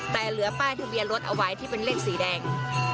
แต่เหลือป้ายทะเบียนรถเอาไว้ที่เป็นเลขสีแดง